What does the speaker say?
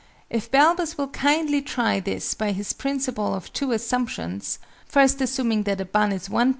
If BALBUS will kindly try this by his principle of "two assumptions," first assuming that a bun is 1_d.